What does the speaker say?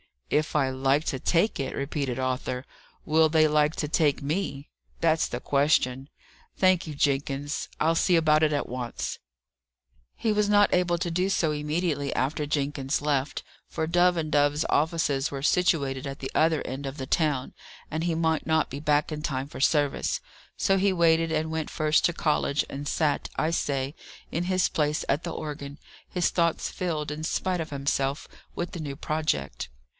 "If I like to take it!" repeated Arthur. "Will they like to take me? That's the question. Thank you, Jenkins; I'll see about it at once." He was not able to do so immediately after Jenkins left; for Dove and Dove's offices were situated at the other end of the town, and he might not be back in time for service. So he waited and went first to college, and sat, I say, in his place at the organ, his thoughts filled, in spite of himself, with the new project.